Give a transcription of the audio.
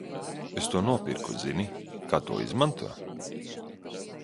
Es to nopirku Zini, kā to izmantot?